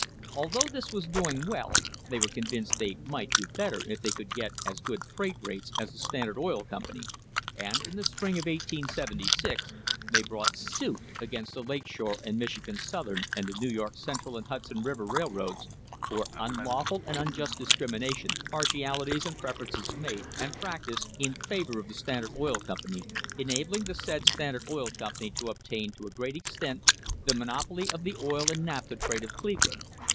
Although this was doing well, they were convinced they might do better if they could get as good freight rates as the Standard Oil Company, and in the spring of 1876 they brought suit against the Lake Shore and Michigan Southern and the New York Central and Hudson River Railroads for "unlawful and unjust discrimination, partialities and preferences made and prac tised ... in favour of the Standard Oil Company, enabling the said Standard Oil Company to obtain to a great extent the monopoly of the oil and naphtha trade of Cleveland."